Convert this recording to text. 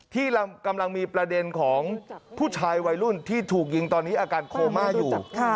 ที่กำลังมีประเด็นของผู้ชายวัยรุ่นที่ถูกยิงตอนนี้อาการโคม่าอยู่